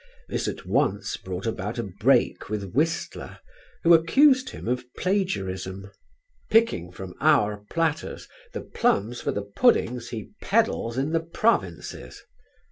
This at once brought about a break with Whistler who accused him of plagiarism: "Picking from our platters the plums for the puddings he peddles in the provinces."